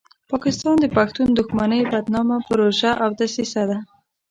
پاکستان د پښتون دښمنۍ بدنامه پروژه او دسیسه ده.